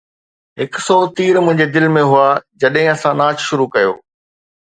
هڪ سئو تير منهنجي دل ۾ هئا جڏهن اسان ناچ شروع ڪيو